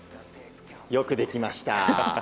よくできました。